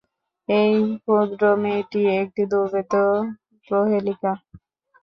এই ক্ষুদ্র মেয়েটি একটি দুর্ভেদ্য প্রহেলিকা।